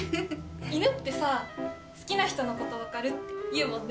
犬ってさ好きな人のこと分かるっていうもんね。